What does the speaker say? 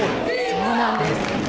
そうなんです。